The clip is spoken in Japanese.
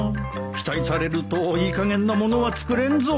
期待されるといいかげんなものは作れんぞ